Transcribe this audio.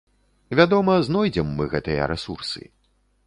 Вядома, знойдзем мы гэтыя рэсурсы.